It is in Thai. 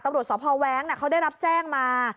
ตำรวจสพแว้งเขาได้รับแจ้งมา